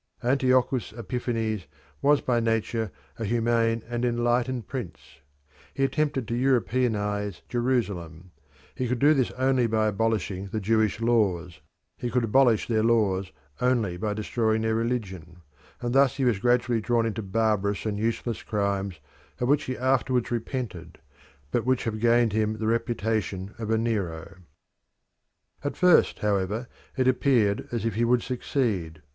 Antiochus Epiphanes was by nature a humane and enlightened prince; he attempted to Europeanise Jerusalem; he could do this only by abolishing the Jewish laws; he could abolish their laws only by destroying their religion; and thus he was gradually drawn into barbarous and useless crimes of which he afterwards repented, but which have gained him the reputation of a Nero. At first, however, it appeared as if he would succeed.